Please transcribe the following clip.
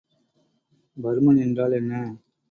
பருமன் என்றால் என்ன?